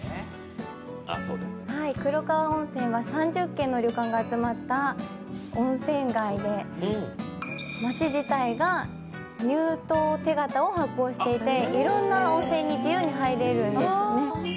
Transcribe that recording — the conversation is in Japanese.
黒川温泉は３０軒の旅館が集まった温泉街で、町自体が入湯手形を発行していていろいろな温泉に自由に入れるんですよね。